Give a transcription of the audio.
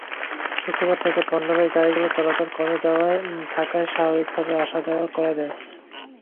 শুক্রবার থেকে পণ্যবাহী গাড়িগুলো চলাচল কমে যাওয়ায় ঢাকায় স্বাভাবিকভাবে আসা-যাওয়া করা যায়।